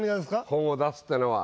本を出すってのは。